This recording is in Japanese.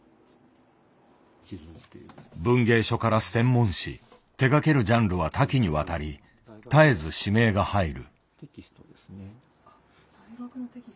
文芸書から専門誌手がけるジャンルは多岐にわたり絶えず指名が入る。